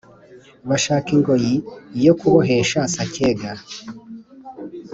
bashaka ingoyi yo kubohesha Sacyega,